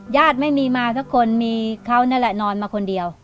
ญาติไม่มีมาสักคนมีเขานั่นแหละนอนมาคนเดียว